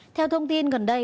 theo thông tin gần đây